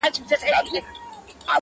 د بابا د مړيني نېټه داسي ښيي